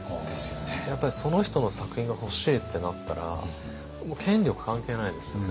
やっぱりその人の作品が欲しいってなったらもう権力関係ないですよね。